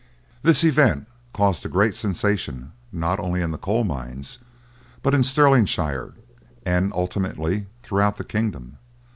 This event caused a great sensation, not only in the coal mines, but in Stirlingshire, and ultimately throughout the kingdom.